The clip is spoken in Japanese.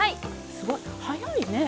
すごいはやいね！